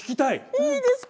いいですか？